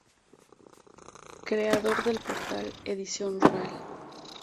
Creador del portal Edición Rural.